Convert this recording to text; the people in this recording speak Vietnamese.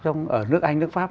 trong nước anh nước pháp